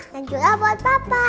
dan juga buat papa